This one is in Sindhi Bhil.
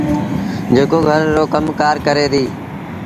جيڪو گھر رو ڪم ڪآر ڪري ديٚ۔